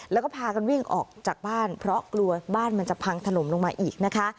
แล้วก็พากันวิ่งออกจากบ้านเพราะกลัวบ้านมันจะพังถล่มลงมาอีกนะคะ